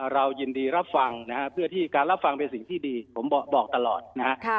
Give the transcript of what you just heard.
เรายินดีรับฟังนะฮะเพื่อที่การรับฟังเป็นสิ่งที่ดีผมบอกตลอดนะฮะ